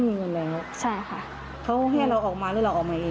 เงินหมดแล้วค่ะ